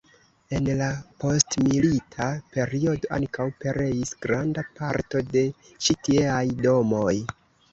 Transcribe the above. En la postmilita periodo ankaŭ pereis granda parto de ĉi tieaj domoj.